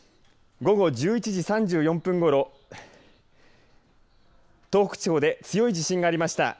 午後１１時３４分ごろ東北地方で強い地震がありました。